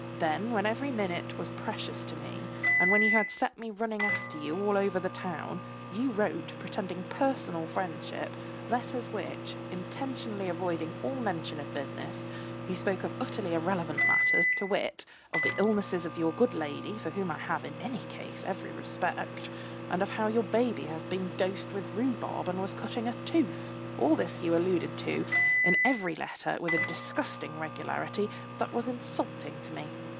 Then when every minute was precious to me and when you had set me running after you all over the town, you wrote, pretending personal friendship, letters in which, intentionally avoiding all mention of business, you spoke of utterly irrelevant matters; to wit, of the illnesses of your good lady for whom I have, in any case, every respect, and of how your baby had been dosed with rhubarb and was cutting a tooth. All this you alluded to in every letter with a disgusting regularity that was insulting to me.